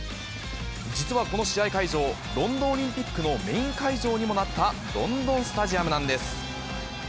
実はこの試合会場、ロンドンオリンピックのメイン会場にもなったロンドン・スタジアムなんです。